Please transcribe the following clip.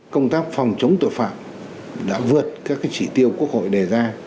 công tác phòng chống tội phạm đã vượt các chỉ tiêu quốc hội đề ra